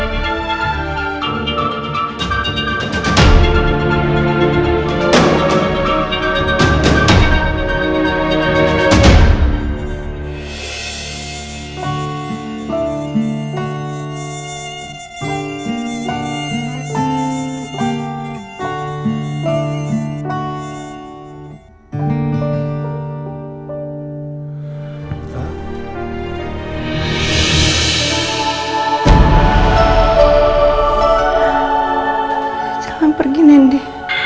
jangan pergi nendi